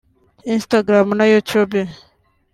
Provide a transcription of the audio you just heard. Instagram na YouTube